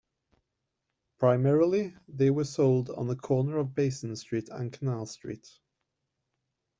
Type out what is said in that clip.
Primarily they were sold on the corner of Basin Street and Canal Street.